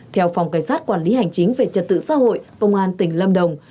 theo phòng cảnh sát quản lý hành chính về trật tự xã hội công an tỉnh lâm đồng